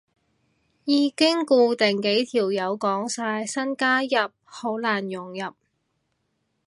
已經固定幾條友講晒，新加入好難融入